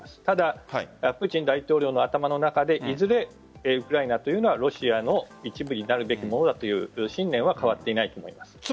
ただ、プーチン大統領の頭の中でいずれウクライナというのはロシアの一部になるべきものだという信念は変わっていないと思います。